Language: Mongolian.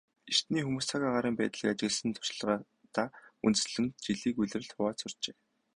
Эртний хүмүүс цаг агаарын байдлыг ажигласан туршлагадаа үндэслэн жилийг улиралд хувааж сурчээ.